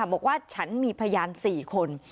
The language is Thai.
บอกว่าฉันมีพยาน๔คน